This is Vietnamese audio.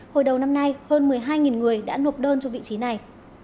hồi đầu năm nay hơn một mươi hai người đã nộp đơn cho vị trí này